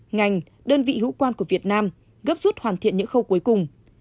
ngành đơn vị hữu quan của việt nam gấp rút hoàn thiện những khâu cuối cùng